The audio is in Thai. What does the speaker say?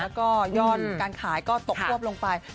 แล้วก็ยอดการขายก็ตกควบลงไป